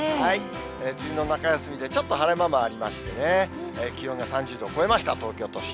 梅雨の中休みでちょっと晴れ間もありましてね、気温が３０度を超えました、東京都心。